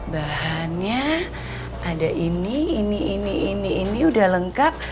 bahannya ada ini ini ini ini udah lengkap